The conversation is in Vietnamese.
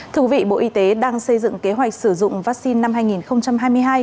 thưa quý vị bộ y tế đang xây dựng kế hoạch sử dụng vaccine năm hai nghìn hai mươi hai